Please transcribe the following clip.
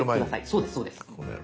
そうですそうです。